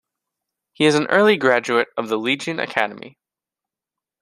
He is an early graduate of the Legion Academy.